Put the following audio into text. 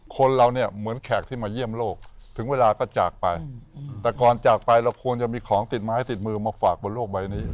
คนเราเนี่ยเหมือนแขกที่มาเยี่ยมโลกถึงเวลาก็จากไปแต่ก่อนจากไปเราควรจะมีของติดไม้ติดมือมาฝากบนโลกใบนี้